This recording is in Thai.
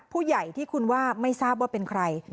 ผู้ใหญ่ที่คุณว่าไม่ทราบว่าเป็นใคร